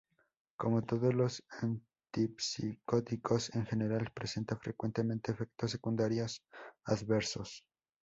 Como todos los antipsicóticos en general, presenta frecuentemente efectos secundarios adversos.